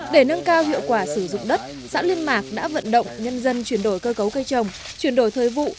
để nâng cao hiệu quả sử dụng đất xã liên mạc đã vận động nhân dân chuyển đổi cơ cấu cây trồng chuyển đổi thời vụ